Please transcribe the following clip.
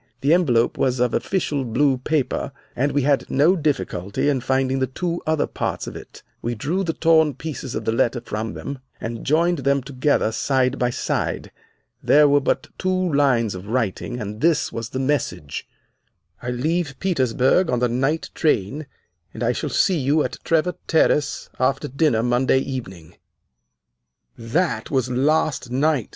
The envelope was of official blue paper and we had no difficulty in finding the two other parts of it. We drew the torn pieces of the letter from them and joined them together side by side. There were but two lines of writing, and this was the message: 'I leave Petersburg on the night train, and I shall see you at Trevor Terrace after dinner Monday evening.' "'That was last night!